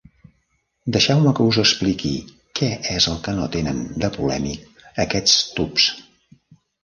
Deixeu-me que us expliqui què és el que no tenen de polèmic aquests tubs.